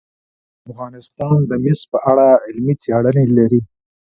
افغانستان د مس په اړه علمي څېړنې لري.